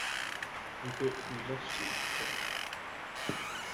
We thought we'd lost you, Jo!